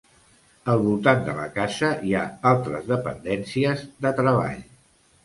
Al voltant de la casa hi ha altres dependències de treball.